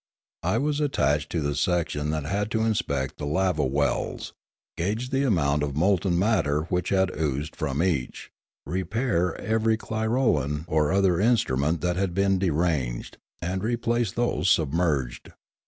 I was attached to the sec tion that had to inspect the lava wells, gauge the amount of molten matter which had oozed from each, repair every clirolan or other instrument that had been deranged, and replace those submerged.